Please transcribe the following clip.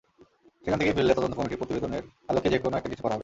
সেখান থেকে ফিরলে তদন্ত কমিটির প্রতিবেদনের আলোকে যেকোনো একটা কিছু করা হবে।